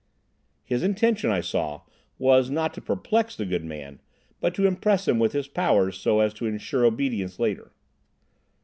His intention, I saw, was not to perplex the good man, but to impress him with his powers so as to ensure obedience later.